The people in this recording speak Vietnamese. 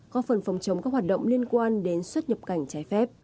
có phần phòng chống các hoạt động liên quan đến xuất nhập cảnh trái phép